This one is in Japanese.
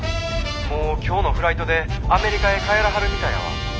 もう今日のフライトでアメリカへ帰らはるみたいやわ。